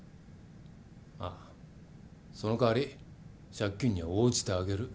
あっその代わり借金に応じてあげる。